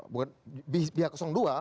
bukan di pihak dua